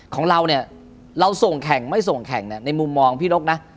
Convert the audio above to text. ของเราเนี่ยเราส่งแข่งไม่ส่งแข่งในมุมมองพี่นกนะ